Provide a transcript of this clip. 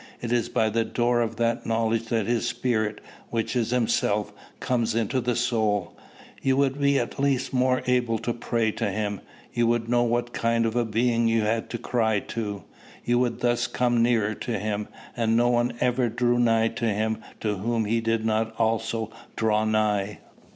It is by the door of that knowledge that his Spirit, which is himself, comes into the soul. You would at least be more able to pray to him: you would know what kind of a being you had to cry to. You would thus come nearer to him; and no one ever drew nigh to him to whom he did not also draw nigh.